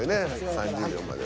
３０秒までは。